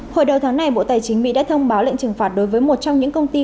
hồi đầu tháng này bộ tài chính mỹ đã thông báo lệnh trừng phạt đối với một trong những công ty